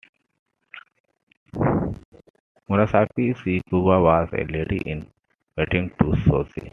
Murasaki Shikibu was a lady in waiting to Shoshi.